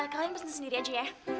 kalian pesan sendiri aja ya